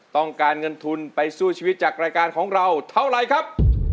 ต้องการเงินทุนไปสู้ชีวิตจากรายการของเราเท่าไรครับ